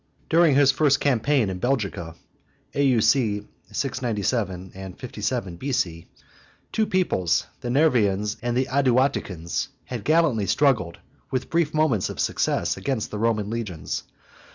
During his first campaign in Belgica, (A. U. C. 697 and 57 B.C.), two peoplets, the Nervians and the Aduaticans, had gallantly struggled, with brief moments of success, against the Roman legions.